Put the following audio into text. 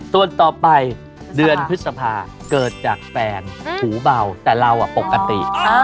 ส่วนต่อไปเดือนพฤษภาเกิดจากแฟนหูเบาแต่เราปกติ